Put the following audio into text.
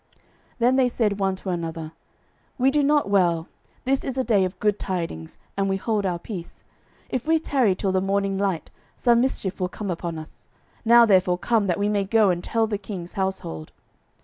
12:007:009 Then they said one to another, We do not well: this day is a day of good tidings, and we hold our peace: if we tarry till the morning light, some mischief will come upon us: now therefore come, that we may go and tell the king's household.